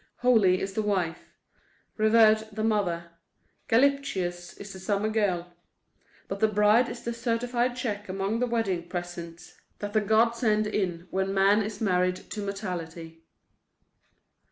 Holy is the wife; revered the mother; galliptious is the summer girl—but the bride is the certified check among the wedding presents that the gods send in when man is married to mortality.